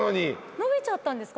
延びちゃったんですか？